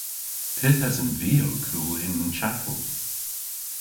Pyth esen vy ow kul y'n chapel?